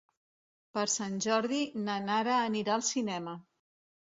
Per Sant Jordi na Nara anirà al cinema.